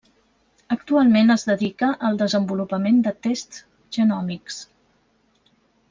Actualment, es dedica al desenvolupament de tests genòmics.